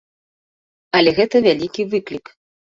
Але гэта вялікі выклік.